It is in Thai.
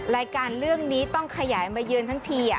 รายการเรื่องนี้ต้องขยายมาเยือนทั้งที